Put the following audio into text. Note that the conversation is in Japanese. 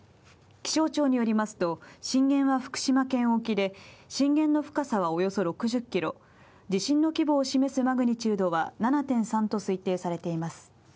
気象庁によりますと、震源は福島県沖で、震源の深さはおよそ６０キロ、地震の規模を示すマグニチュードは７．３と推定されています